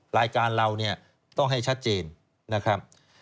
รายการเราเนี่ยต้องให้ชัดเจนนะครับ